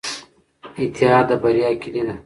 اتحاد د بریا کیلي ده.